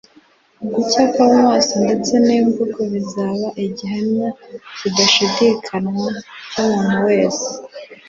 Ugucya ko mu maso ndetse n’imvugo bizaba igihamya kidashidikanywa cy'umuntu wese